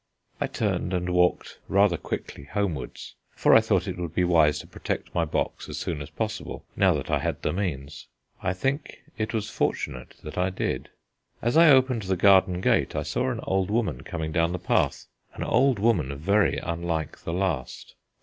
I turned and walked rather quickly homewards, for I thought it would be wise to protect my box as soon as possible now that I had the means. I think it was fortunate that I did. As I opened the garden gate I saw an old woman coming down the path an old woman very unlike the last.